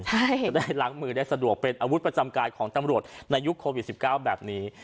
ใช่จะได้ล้างมือได้สะดวกเป็นอาวุธประจำกายของตำรวจในยุคโควิด๑๙แบบนี้